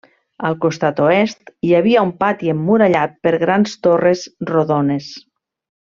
Al costat oest hi havia un pati emmurallat per grans torres rodones.